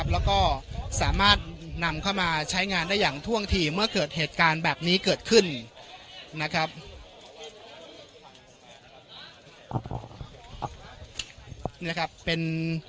แล้วก็สามารถนำเข้ามาใช้งานได้อย่างท่วงทีเมื่อเกิดเหตุการณ์แบบนี้เกิดขึ้นนะครับ